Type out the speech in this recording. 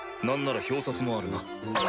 なんなら表札もあるな。